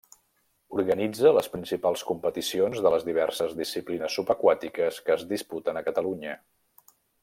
Organitza les principals competicions de les diverses disciplines subaquàtiques que es disputen a Catalunya.